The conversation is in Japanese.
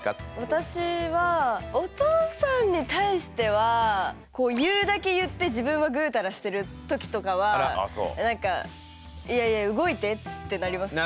私はお父さんに対してはこう言うだけ言って自分はぐうたらしてるときとかはいやいや動いてってなりますね。